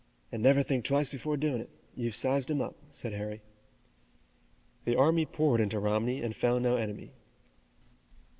"And never think twice before doing it. You've sized him up," said Harry. The army poured into Romney and found no enemy.